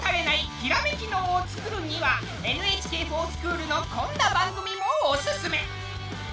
ひらめき脳をつくるには「ＮＨＫｆｏｒＳｃｈｏｏｌ」のこんな番組もおすすめ。